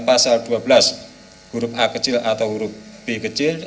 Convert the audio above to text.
pasal dua belas huruf a kecil atau huruf b kecil